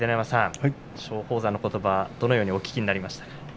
松鳳山のことば、どのようにお聞きになりましたか？